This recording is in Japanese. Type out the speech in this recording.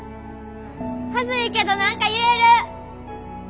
恥ずいけど何か言える！